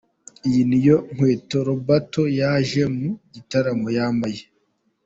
Iyi niyo nkweto Roberto yaje mu gitaramo yambaye.